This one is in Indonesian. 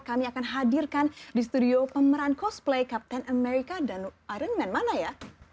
kami akan hadirkan di studio pemeran cosplay captain america dan iron man mana ya